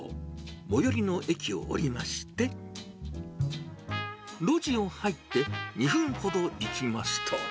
最寄りの駅を降りまして、路地を入って、２分ほど行きますと。